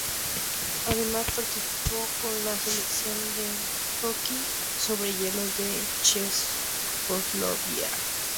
Además participó con la selección de hockey sobre hielo de Checoslovaquia.